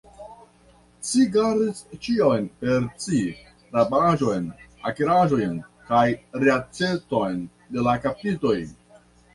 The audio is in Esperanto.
Ci gardis ĉion por ci, rabaĵon, akiraĵojn, kaj reaĉeton de la kaptitoj!